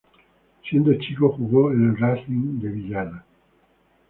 Siendo chico, jugó en el Racing de Villada.